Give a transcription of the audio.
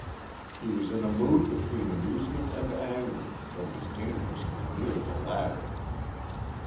He was in a mood between amusement and anger, but was dangerously near the latter.